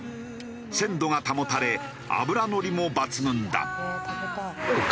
鮮度が保たれ脂乗りも抜群だ。